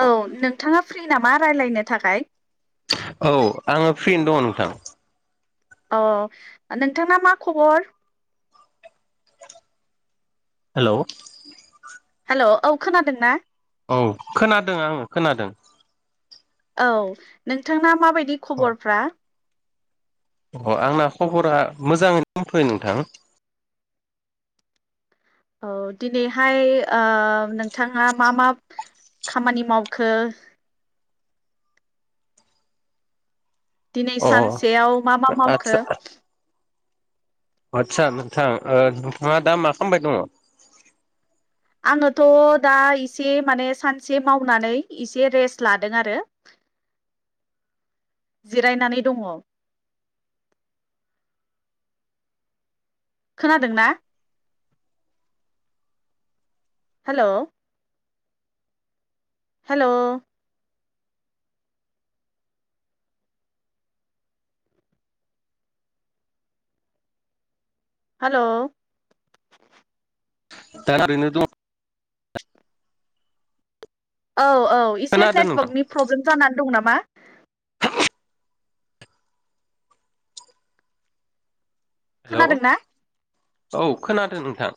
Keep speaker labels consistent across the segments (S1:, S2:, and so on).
S1: औ नोंथाङा फ्रि नामा रायलायनो थाखाय।
S2: औ आङो फ्रिनो दङ नोंथां।
S1: अ नोंथाङा मा खबर?
S2: हेलौ
S1: हेलौ औ खोनादों ना?
S2: औ खोनादों आङो खोनादों,
S1: औ नोंथांना माबायदि ख'बरफ्रा,
S2: अ आंना खबरा मोजाङैनो दथ'यो नोंथां।
S1: औ दिनैहाय ओ नोंथाङा मा मा, खामानि मावखो, दिनै
S2: अ
S1: सानसेयाव मा मा मावखो?
S2: आतसा नोंथां नोंथाङा दा मा खालामबाय दङ?
S1: आंङोथ दा एसे माने सानसे मावनानै एसे रेस लादों आरो जिरायनानै दङ। खोनादों ना? हेल' हेल' हेल'
S2: दा ओरैनो दं।
S1: औ औ एसे
S2: खोनादों नोंथां
S1: नेटवर्कनि प्रब्लेम जानानै दं नामा?
S2: हेलौ
S1: खोनादों ना?
S2: औ खोनादों नोंथां।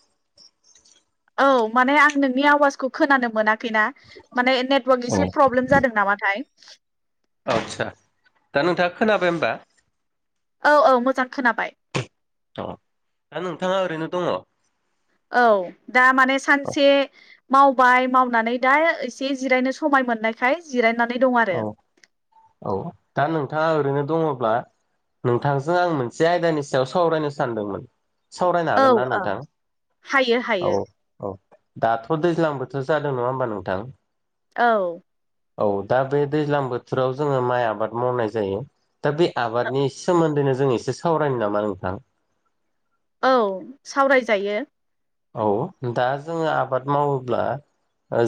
S1: औ माने आं नोंनि आवाजखौ खोनानो मोनाखै। ना माने नेटवर्क
S2: औ
S1: एसे प्रब्लेम जादों नामाथाय?
S2: औ आस्सा दा नोंथाङा खोनाबाय ओमबा?
S1: औ औ मोजां खोनाबाय।
S2: औ दा नोंथाङा ओरैनो दङ।
S1: औ दा माने सानसे मावबाय मावनानै दा एसे जिरायनो समाय मोननायखाय जिरायनो
S2: औ औ दा नोंथाङा ओरैनो दङ। अ नोंथांजों आं मोनसे आयदानि सायाव सावरायनो सानदोंमोन। सावरायनो
S1: औ
S2: हागोन ना
S1: औ
S2: नोंथां?
S1: हायो
S2: औ
S1: हायो
S2: औ दाथ दैज्लां बोथोर बेथ जादों नङा होमबा नोंथां?
S1: औ।
S2: औ दा बे दैज्लां बोथोराव जोङो माइ आबाद मावनाय जायो। दा बे आबादनि सोमोन्दैनो जों एसे सावरायनो नामा नोंथां?
S1: औ सावरायजायो
S2: औ दा जोङो आबाद मावोब्ला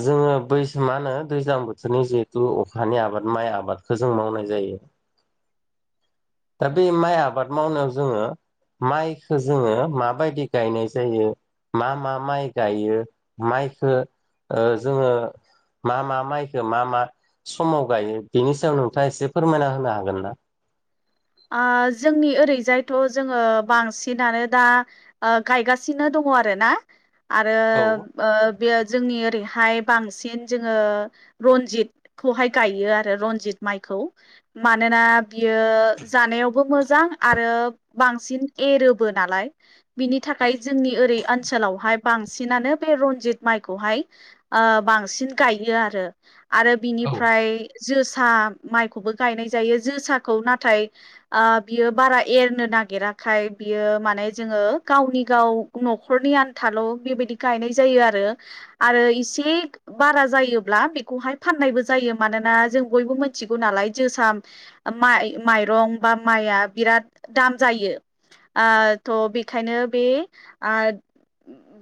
S2: जोङो बै मा होनो दैज्लां बोथोरनि जिहेथु अखानि आबाद माइ आबादखौ जों मावनाय जायो ए दा बे माइ आबाद मावनायाव जोङो माइखो जोङो माबायदि गायनाय जायो। मा मा माइ गायो माइखो ओ जोङो मा मा माइखो मा मा समाव गायो बिनि सायाव नोंथाङा एसे फोरमायना होनो हागोन ना?
S1: ओ जोंनि ओरै जायथ जोङो बांसिनानो दा ओ गायगासिनो दङ आरो ना। आरो
S2: औ
S1: ओ बेयो जोंनि ओरैहाय बांसिन जोङो रनजितखौहाय गायो आरो रनजित माइखौ मानोना बियो जानायावबो मोजां आरो बांसिन एरोबो नालाय बिनि थाखाय जोंनि ओरै ओनसोलावहाय बांसिनानो बे रनजित माइखौहाय ओ बांसिन गायो आरो आरो
S2: औ
S1: बिनिफ्राय जोसा माइखौबो गायनाय जायो जोसाखौ नाथाय बियो बारा एरनो नागिराखाय बियो माने जोङो गावनि गाव न' न'खरनि आनथाल' बेबायदि गायनाय जायो आरो आरो इसे बारा जायोब्ला फाननायबो जायो मानोना जों बयबो मोनथि गौ नालाय जोसा माइ रं बा माइआ बिराद दाम जायो। थ' बेखायनो बे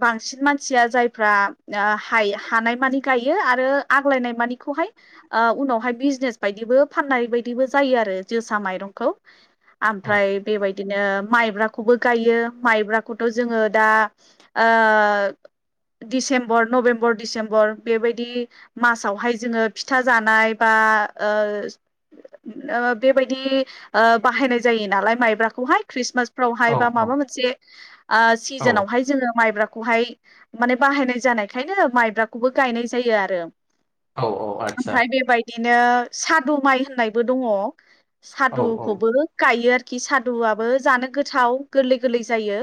S1: बांसिन मानसिया जायफ्रा हानाय मानि गायो आरो आग्लायनाय मानि उनाव हाय बिजनेस बाइदि बो फाननाय बाइदि बो जायो आरो माइरंखौ
S2: औ
S1: आमफ्राय बेबायदिनो माइब्राखौबो गायो माइब्राखौथ' जोङो दा ओ दिसेम्बर नभेम्बर डिसेम्बर बेबायदि मासावहाय जोङो फिथा जानाय बा आ ओ बेबादि दि ओ बाहायनाय जायो नालाय माइब्राखौहाय ख्रिसमास फोरावहाय बा माबा मोनसे
S2: औ
S1: सिजोनावहाय जोङो माइब्रा खौहाय माने बाहायनाय जानायखायनो माइब्राखौबो गायनाय जायो आरो।
S2: औ औ आदसा
S1: बिदिनो सादु माइ होननायबो दङ
S2: औ
S1: सादुखौबो गायो आरो खि सादुआबो जानो गोथाव गोरलै गोरलै जायो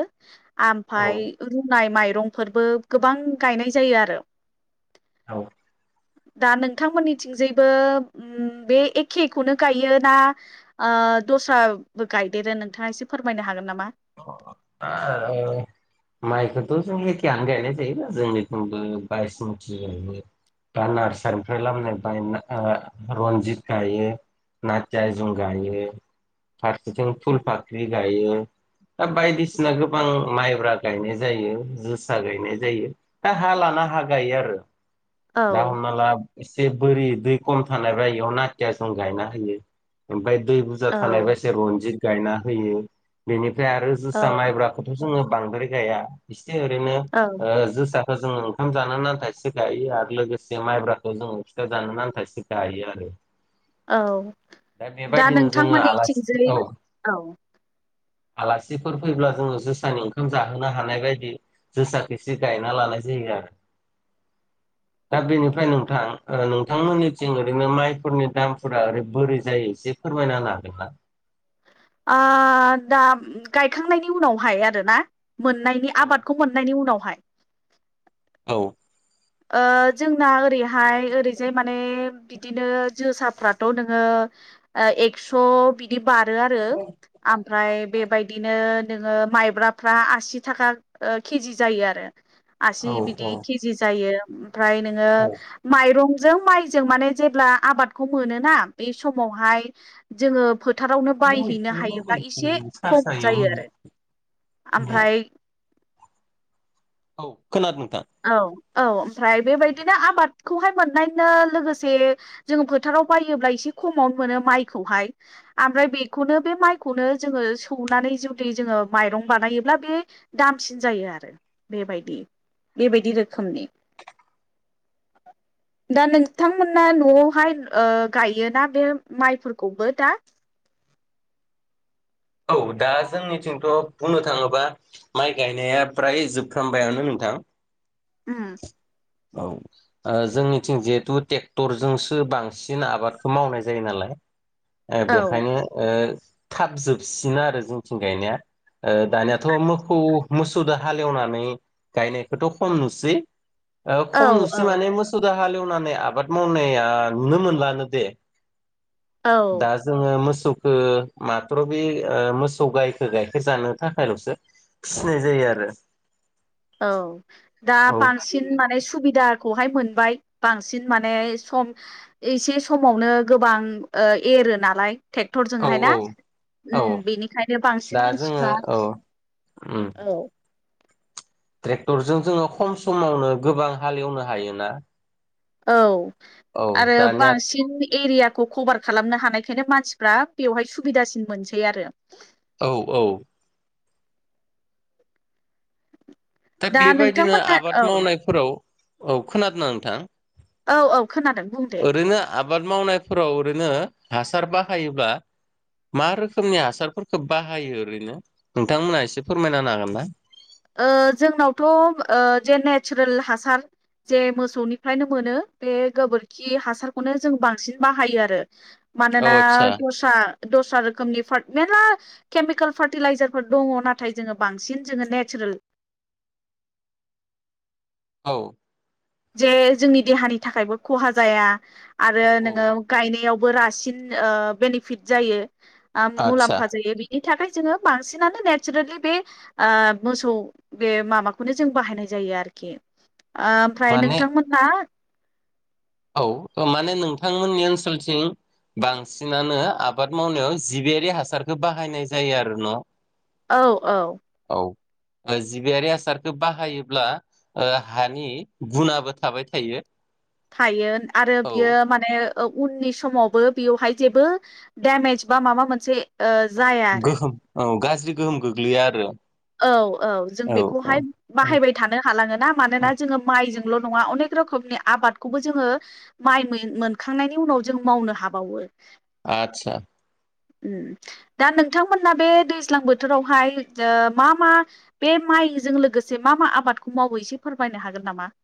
S2: औ
S1: आमफ्राय रुनाय माइ रंफोरबो गोबां गायनाय जायो आरो।
S2: औ
S1: दा नोंथांमोननिथिंजायबो ओम बे एखेखौनो गायो ना ओ दस्राबो गायदेरो नोंथाङा एसे फोरमायनो हागोन नामा?
S2: [unintelligible] माइखौथ' जों एखेयनो गायनाय जायोना जोंनिबो बायस मुथि गायो। दा नार्सारिनिफ्राय लाबोनाय बायना ओ रन्जित गायो। नारजायजं जों गायो फारसेथिं फुल फाख्रि गायो। दा बायदिसिना गोबां माइ फोरा गायनाय जायो जोसा गायनाय जायो हा हा लाना हा गायो आरो।
S1: औ
S2: दा हमना ला एसे बोरि दै खम थानाय बा इयाव नाथिया जं गायना होयो ओमफ्राय दै बुरजा थानाय बा
S1: औ
S2: इसे रनजित गायना होयो बेनिफ्राय आरो जोसा
S1: औ
S2: माइब्राखौथ' जोङो बांद्राय गाया इसे ओरैनो
S1: औ
S2: ओ जोसा खौ जोङो ओंखाम जानो आन्था इसे गायो आरो लोगोसे माइब्राखौ जोङो फिथा जानो नान्था इसे गायो आरो।
S1: औ
S2: दा बेबायदिनो जोङो आलासि औ
S1: औ
S2: आलासिफोर फैब्ला जोङो जोसानि ओंखाम जाहोनो हानाय बायदि जोसाखौसे गायना लानाय जायो आरो।
S1: [unintelligible]
S2: दा बेनिफ्राय नोंथां ओ नोंथांमोननिथिं ओरैनो माइफोरनि दामफोरा ओरै बोरै जायो एसे फोरमायना होनो हागोन ना?
S1: ओ दा गायखांनायनि उनावहाय आरोना मोननायनि
S2: औ
S1: आबादखौ मोननायनि उनावहाय?
S2: औ
S1: ओ जोंना ओरैहाय ओरैजाय माने बिदिनो जोसाफ्राथ' नोङो एक्स' बिदि बारो आरो ओमफ्राय बेबायदिनो नोङो मायब्राफ्रा आसि थाखा केजि जायो आरो आसि
S2: औ औ
S1: बिदि केजि जायो ओमफ्राय नोङो
S2: औ
S1: माइरं जों माइजों माने जेब्ला आबादखौ मोनोना बे समावहाय जोङो फोथारावनो बायहैनो हायोब्ला एसे खम जायो आरो। ओमफ्राय
S2: औ खोनादों नोंथां।
S1: औ औ ओमफ्राय बेबायदिनो आबादखौहाय मोननायनो लोगोसे जोङो फोथाराव बायोब्ला एसे खमावनो मोनो माइखौहाय आमफ्राय बेखौनो बे माइखौनो जोङो सौनानै जुैदि जों ओ माइरं बानायोब्ला बे दामसिन जायो आरो बेबायदि। बेबायदि रोखोमनि [inaudible] दा नोंथांमोना न'आवहाय ओ गायोना बे माइफोरखौबो दा।
S2: औ दा जोंनिथिंथ' बुंनो थाङोबा माइ गायनाया फ्राय जोबफ्रामबायानो नों थां।
S1: ओम
S2: औ ओ जोंनिथिं जिहेथु ट्रेक्टरजोंसो बांसिन आबादखो मावनाय जायो नालाय ओ
S1: औ
S2: बेखायनो ओ थाब जोबसिनो आरो जोंथिं गायनाया। ओ दानियाथ' मोखौ मोसौदो हालेवनानै गायनायखोथ' खम नुसै ओ
S1: औ
S2: खम नुसै
S1: औ
S2: माने मोसौ दा हालेव नानै आबाद मावनाया नुनो मोनलानो दे
S1: औ
S2: दा जोंओ मोस सौ खो मार्थ बे ओ मोसौ गायखो गाइखेर जानो थाखायल'सो फिनाय जायो आरो।
S1: औ दा
S2: औ
S1: बांसिन माने सुबिदा खौहाय मोनबाय बांसिन माने सम एसे समावनो गोबां ओ ए रो नालाय।
S2: औ
S1: ट्रेक्टरजोंहाय ना
S2: औ औ
S1: ओम बेनिखायनो बांसिन
S2: दा जोङो
S1: मानसिफ्रा
S2: औ उम
S1: औ।
S2: ट्रेक्टरजों जोङो खम समावनो गोबां हालेवनो हायोना।
S1: औ
S2: औ
S1: आरो
S2: दानिया
S1: बांसिन एरियाखौ कभार खालामनो हानाय बेखायनो मानसिफ्रा बेवहाय सुबिदासिन मोनसै आरो।
S2: औ औ। दा बेबायदिनो
S1: नोंथांमोना
S2: आबाद
S1: औ
S2: मावनायफोराव औ खोनादो ना नोंथां।
S1: औ औ खोनादों बुं दे
S2: ओरैनो आबाद मावनायफोराव ओरैनो हासार बाहायोब्ला मा रोखोमनि हासारफोरखो बाहायो ओरैनो नोंथांमोनहा एसे फोरमायना हागोन ना?
S1: ओ जोंनावथ' ओ जे नेचारेल हासार जे मोसौनिफ्रायनो मोनो बे गोबोरखि हासारखौनो जों बांसिन बाहायो आरो।
S2: औ
S1: मानोना
S2: आदसा
S1: दस्रा दस्रा रोखोमनि फा मेरला केमिकेल फार्टिलाइजार फोर दङ नाथाय जोङो बांसिन जोंओ ने चारेल
S2: औ।
S1: जे जोंनि देहानि थाखायबो खहा जाया आरो
S2: औ औ
S1: नोङो गायनायाव बो रासिन ओ बेनिफिट जायो आम
S2: आदसा
S1: मुलाम्फा जायो बिनि थाखाय जोङो बांसिनानो नेचारेलि बे ओ मोसौ बे माबाखौनो जों बाहायनाय जाय यो आरोखि ओमफ्राय
S2: माने
S1: नोंथांमोनहा
S2: औ माने नोंथांमोननि ओनसोलथिं बांसिनानो आबाद मावनायाव जिबियारि हासारखौ बाहायनाय जायो आरो न'
S1: औ औ।
S2: औ जिबियारि हासारखो बाहायोब्ला ओ हानि गुुनाबो थाबाय थायो।
S1: थायो आरो
S2: औ
S1: बियो माने उननि समावबो बेयावहाय जेबो देमेज बा माबा मोनसे ओ
S2: औ
S1: जाया आरो
S2: गोहोम औ गाज्रि गोहोम गोग्लैया आरो।
S1: औ औ जों
S2: औ
S1: बेखौहाय
S2: औ
S1: बाहायबाय थानो हालाङोना
S2: औ
S1: मानोना जोङो माइजों ल' नङा अनेक रोखोमनि आबादखौबो जोङो माइ मोनखांनायनि उनाव जों मावनो हाबावो।
S2: आतसा।
S1: ओम दा नोंथांमोना बे दैज्लां बोथोरावहाय ओ मा मा बे माइजों लोगोसे मा मा आबादखौ मावो एसे फोरमायनो हागोन नामा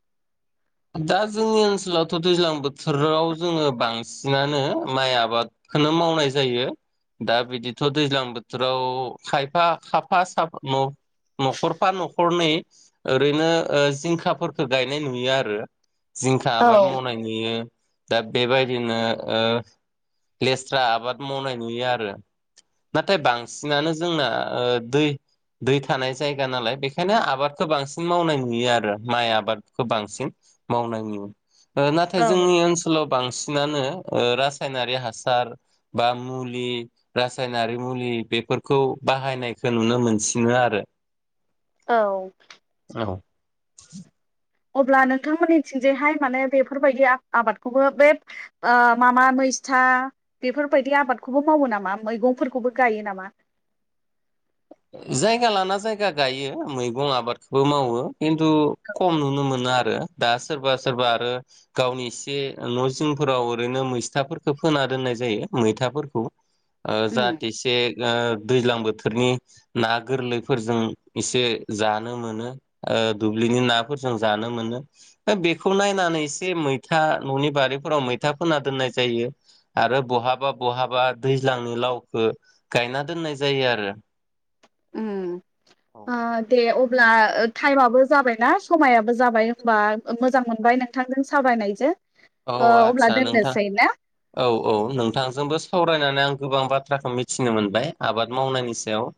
S2: दा जोंनि ओनसोलावथ दैज्लां बोथोराव जोङो बांसिनानो माइ आबाद खोनो मावनाय जायो। दा बिदिथ दैज्लां बोथोराव खायफा खाफा साफा न नखरफा नखरनै ओरैनो ओ जिंखाफोरखौ गायनाय नुयो आरो आरो जिंखा
S1: औ
S2: आबाद मावनाय नुयो दा बेबायदिनो ओ लेस्रा आबाद मावनाय नुयो आरो नाथाय बांसिनानो जोंना ओ दै दै थानाय जायगा नालाय बेखायनो आबादखौ बांसिन मावनाय नुयो आरो माइ आबादखौ बांसिन मावनायनि नुयो नाथाय
S1: औ
S2: जोंनि ओनसोलाव बांसिनानो ओ रासायनारि हासार बा मुलि रासायनारि मुलि बे बेफोरखौ बाहायनायखौ नुनो मोनसिनो आरो
S1: औ
S2: औ
S1: अब्ला नोंथांमोननिथिंजाय हाय माने बेफोरबायदि आबादखौबो बे ओ मा मा मै था बेफोरबायदि आबादखौबो मावो नामा मैगंफोरखौबो गायो नामा
S2: जायगा लाना जायगा गायो मैगं आबादखौबो मावो खिन्थु खम नुनो मोनो आरो दा सोरबा सोरबा आरो गावनि एसे न जिंफोराव ओरैनो मैस्थाफोरखौ फोन दोननाय जायो मैथाफोरखौ ओ
S1: उम
S2: जाहाथेसे दैज्लां बोथोरनि ना गोरलैफोरजों एसे जानो मोनो ओ दुब्लिनि नाफोरजों जानो मोनो बेखौ नायनानै एसे मैथा ननि बारिफोराव मैथा फोना दोननाय जायो आरो बहाबा बहाबा दैज्लांनि लावखो गायना दोननाय जायो आरो
S1: उम
S2: औ
S1: आ दे अ अब्ला टाइमाबबो जाबायना समायाबो जाबाय होनोमबा मोजां मोनबाय नोंथांजों सावरायनायजों
S2: औ
S1: ओ अब्ला
S2: आस्सा नोंथां
S1: दोननोसै ना
S2: औ औ नोंथांजोंबो सावरायनानै आं गोबां बाथ्राखौ मिथिनो मोनबाय आबाद मावनायनि सायाव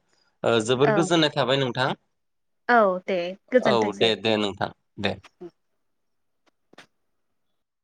S2: ओ
S1: औ
S2: जोबोर गोजोननाय थाबाय नोंथां
S1: औ दे
S2: औ
S1: गोजोनथोंसै
S2: दे दे नोंथां दे